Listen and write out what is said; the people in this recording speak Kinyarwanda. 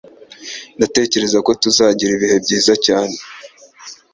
Ndatekereza ko tuzagira ibihe byiza cyane.